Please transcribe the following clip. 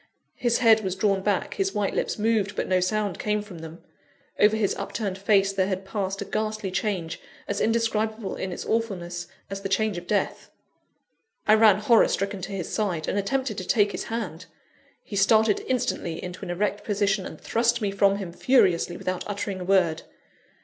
His head was drawn back; his white lips moved, but no sound came from them. Over his upturned face there had passed a ghastly change, as indescribable in its awfulness as the change of death. I ran horror stricken to his side, and attempted to take his hand. He started instantly into an erect position, and thrust me from him furiously, without uttering a word.